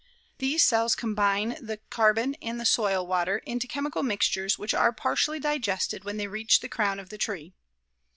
These cells combine the carbon and the soil water into chemical mixtures which are partially digested when they reach the crown of the tree.